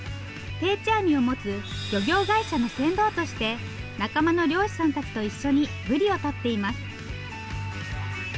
定置網を持つ漁業会社の船頭として仲間の漁師さんたちと一緒にブリをとっています。